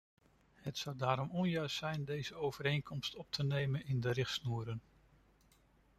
Het zou daarom onjuist zijn deze overeenkomsten op te nemen in de richtsnoeren.